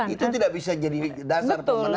itu tidak bisa jadi dasar pemenangan